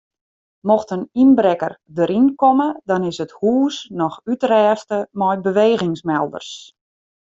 Mocht in ynbrekker deryn komme dan is it hûs noch útrêste mei bewegingsmelders.